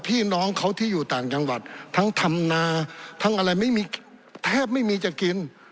พี่น้องเขาที่อยู่ต่างจังหวัดทั้งทำนาทั้งอะไรไม่มีแทบไม่มีจะกิน